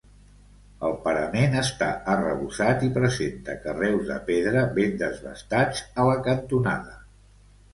El parament està arrebossat i presenta carreus de pedra ben desbastats a la cantonada.